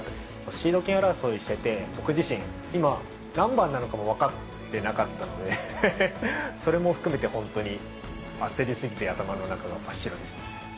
シード権争いしてて、僕自身、今、何番なのかも分かってなかったので、それも含めて、本当に焦りすぎて、頭の中が真っ白でした。